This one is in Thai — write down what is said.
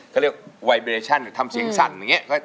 เขาเรียกไวเบเรชั่นทำเสียงสั่นอย่างนี้